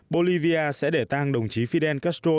bolivia sẽ để tăng đồng chí fidel castro